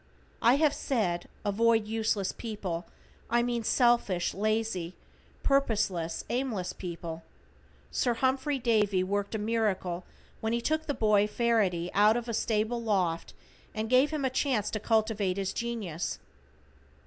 I have said avoid useless people, I mean selfish, lazy, purposeless, aimless people. Sir Humphrey Davy worked a miracle when he took the boy Farrady out of a stable loft and gave him a chance to cultivate his genius.